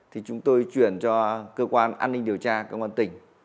thì chúng tôi chuyển cho cơ quan an ninh điều tra công an tỉnh